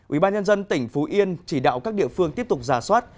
ủy ban nhân dân tỉnh phú yên chỉ đạo các địa phương tiếp tục giả soát